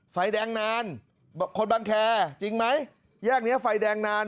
ไฟแดงนานบอกคนบางแคร์จริงไหมแยกนี้ไฟแดงนาน